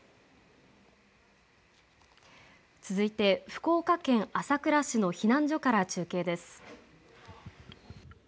続いて福岡県朝倉市の避難所から中継です。